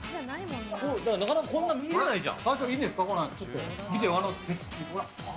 なかなか、こんな見れないじゃん。